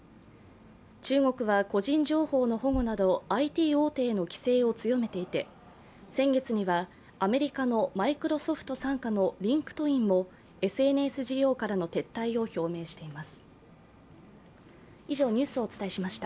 中国は個人情報の保護などＩＴ大手への規制を強めていて先月にはアメリカのマイクロソフト傘下のリンクトインもＳＮＳ事業からの撤退を表明しています。